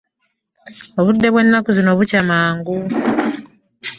Obudde bw'ennaku zino bukya mangu.